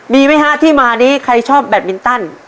มีไหมฮะที่มานี้ใครชอบแบตมินตัน